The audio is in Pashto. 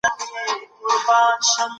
په تعویذ کي یو عجب خط و لیکلی